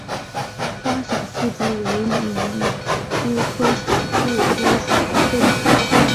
花闪腹蛛为皿蛛科闪腹蛛属的动物。